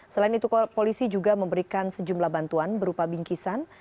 selain itu polisi juga memberikan sejumlah bantuan berupa bingkisan